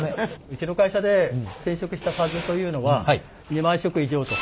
うちの会社で染色した数というのは２万色以上と。